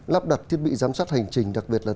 lắp đặt thiết bị giám sát hành trình đặc biệt là